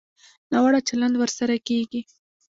ناوړه چلند ورسره کېږي.